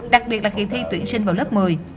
đặc biệt là kỳ thi tuyển sinh vào lớp một mươi